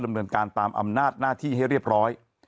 เนินการตามอำนาจหน้าที่ให้เรียบร้อย